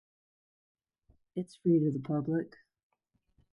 It is free to the public.